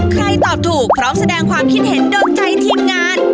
ตอบถูกพร้อมแสดงความคิดเห็นโดนใจทีมงาน